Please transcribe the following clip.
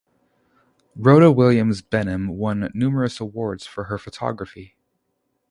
Rhoda Williams Benham won numerous awards for her photography.